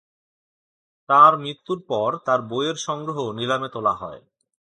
তাঁর মৃত্যুর পর তাঁর বইয়ের সংগ্রহ নিলামে তোলা হয়।